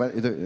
ya pak itu